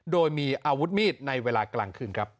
โดยมีอาวุธมีดในเวลากลางคืนครับ